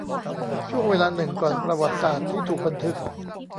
ช่วงเวลาหนึ่งก่อนประวัติศาสตร์ที่ถูกบันทึก